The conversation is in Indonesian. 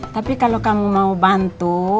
tapi kalau kamu mau bantu